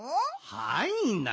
はいな。